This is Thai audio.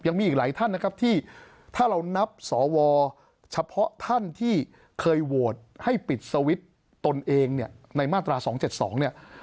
ยังมีอีกหลายท่านนะครับที่ถ้าเรานับสวเฉพาะท่านที่เคยโหวตให้ปิดสวิตช์ตนเองเนี่ยในมาตรา๒๗๒เนี่ย